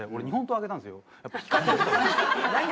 日本刀あげたんですよ。